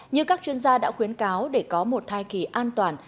như các chuyên gia đã khuyến cáo để có một thai kỳ an toàn